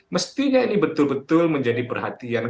mestinya ini betul betul menjadi perhatian